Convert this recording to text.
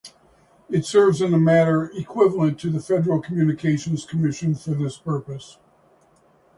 It serves in a manner equivalent to the Federal Communications Commission for this purpose.